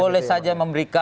boleh saja memberikan